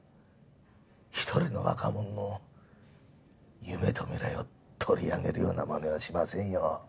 一人の若者の夢と未来を取り上げるようなまねはしませんよ。